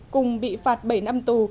cùng bị phạt bảy năm tù